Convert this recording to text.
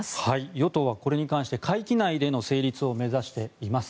与党はこれに関して会期内での成立を目指しています。